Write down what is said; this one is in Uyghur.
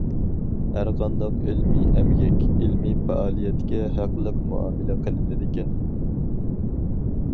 ھەرقانداق ئىلمىي ئەمگەك، ئىلمىي پائالىيەتكە ھەقلىق مۇئامىلە قىلىنىدىكەن.